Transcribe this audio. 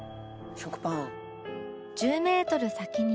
「食パン」